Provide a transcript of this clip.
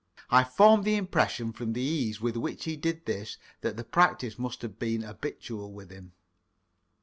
I formed the impression from the ease with which he did this that the practice must have been habitual with him.